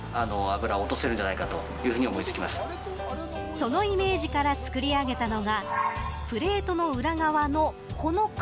そのイメージから作り上げたのがプレートの裏側のこの形。